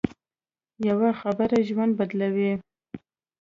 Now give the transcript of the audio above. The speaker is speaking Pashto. یوه خبره ژوند بدلوي